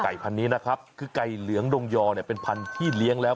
ไก่พันนี้นะครับคือไก่เหลืองดงยอเป็นพันธุ์ที่เลี้ยงแล้ว